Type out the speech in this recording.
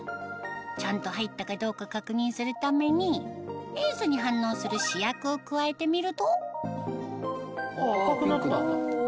ちゃんと入ったかどうか確認するために塩素に反応する試薬を加えてみると赤くなった。